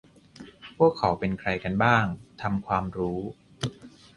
พวกเขาเป็นใครกันบ้าง ทำความรู้